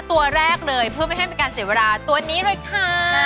ตัวแรกเลยเพื่อไม่ให้เป็นการเสียเวลาตัวนี้เลยค่ะ